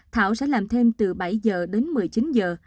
thảo sẽ làm thêm từ bảy giờ đến một mươi chín giờ